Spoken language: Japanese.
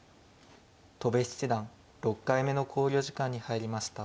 戸辺七段６回目の考慮時間に入りました。